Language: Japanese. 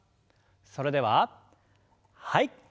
それでははい。